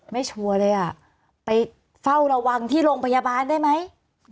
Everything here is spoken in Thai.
ชัวร์เลยอ่ะไปเฝ้าระวังที่โรงพยาบาลได้ไหม